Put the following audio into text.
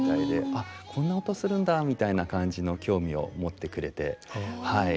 「あこんな音するんだ」みたいな感じの興味を持ってくれてはい。